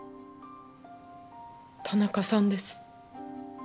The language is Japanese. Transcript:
田中さんです。